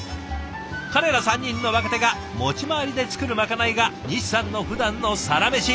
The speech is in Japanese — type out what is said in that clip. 彼ら３人の若手が持ち回りで作るまかないが西さんのふだんのサラメシ。